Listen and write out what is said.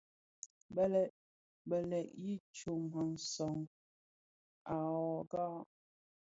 Bèleg yi sóm à gang à wogà.